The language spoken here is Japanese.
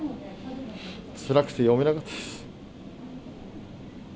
つらくて読めなかったです。